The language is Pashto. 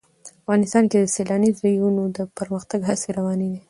افغانستان کې د سیلاني ځایونو د پرمختګ هڅې روانې دي.